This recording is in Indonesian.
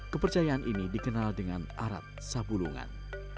kepercayaan ini dikenal dengan arat sabulungan